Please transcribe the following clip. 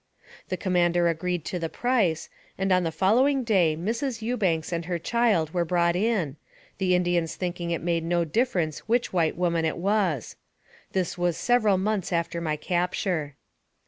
The commander agreed to the price, and on the fol lowing day Mrs. Ewbanks and her child were brought in the Indians thinking it made no difference which white woman it was. This was several months after my capture.